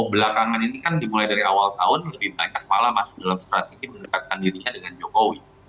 belakangan ini kan dimulai dari awal tahun lebih banyak malah masuk dalam strategi mendekatkan dirinya dengan jokowi